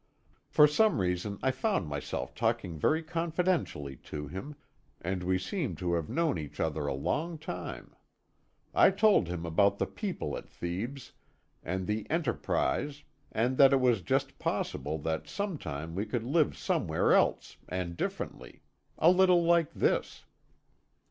For some reason I found myself talking very confidentially to him, and we seemed to have known each other a long time. I told him about the people at Thebes, and the Enterprise, and that it was just possible that sometime we could live somewhere else, and differently a little like this.